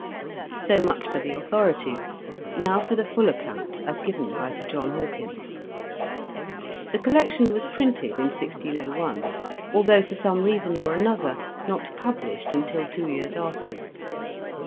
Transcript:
..." So much for the authorities ; now for the full account as given by Sir John Hawkins. The collection was printed in 1601, although, for some reason or another, not published until two years after.